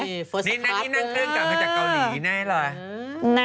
แน่นี่นั่งเครื่องกลางจากเกาหลีน่ะ